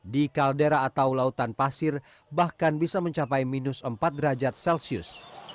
di kaldera atau lautan pasir bahkan bisa mencapai minus empat derajat celcius